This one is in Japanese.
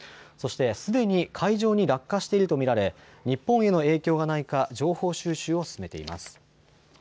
そしてすでに海上に落下していると見られ日本への影響がないか情報収集を進めています。